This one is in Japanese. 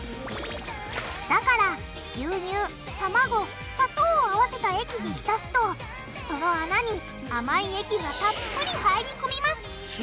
だから牛乳卵砂糖を合わせた液にひたすとその穴に甘い液がたっぷり入り込みますすごい！